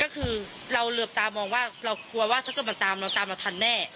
ก็คือเราเหลือบตามองว่าเรากลัวว่าถ้าเกิดมันตามเราตามเราทันแน่